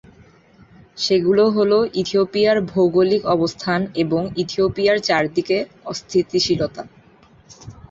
সেগুলো হল, ইথিওপিয়ার ভৌগোলিক অবস্থান এবং ইথিওপিয়ার চারদিকে অস্থিতিশীলতা।